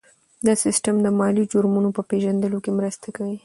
دا سیستم د مالي جرمونو په پېژندلو کې مرسته کوي.